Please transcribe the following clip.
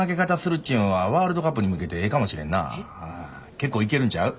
結構いけるんちゃう？